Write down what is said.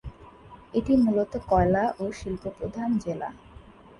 এটি মূলত কয়লা ও শিল্প প্রধান জেলা।